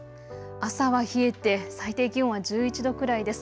朝は冷えて最低気温は１１度くらいです。